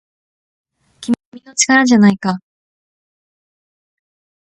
君の力じゃないか